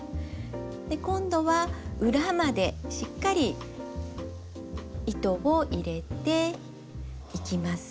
で今度は裏までしっかり糸を入れていきます。